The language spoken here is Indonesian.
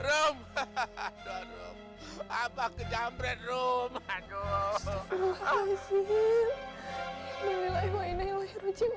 rom hahaha apa kejamret rom haduh